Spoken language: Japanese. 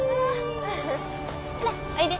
ほらおいで。